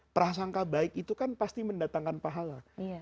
prasangka baik itu kan pasti mendatangkan pahala